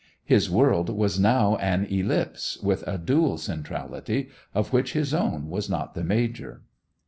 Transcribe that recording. His world was now an ellipse, with a dual centrality, of which his own was not the major.